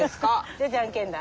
じゃあじゃんけんだ。